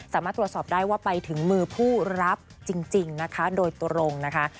สามารถตรวจสอบได้ว่าไปถึงมือผู้รับจริงนะคะโดยตรงนะคะ